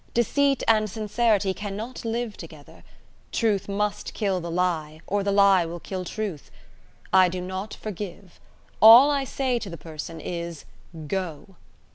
Deceit and sincerity cannot live together. Truth must kill the lie, or the lie will kill truth. I do not forgive. All I say to the person is, go!"